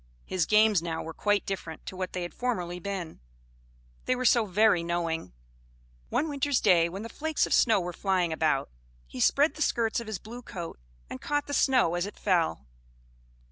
His games now were quite different to what they had formerly been, they were so very knowing. One winter's day, when the flakes of snow were flying about, he spread the skirts of his blue coat, and caught the snow as it fell.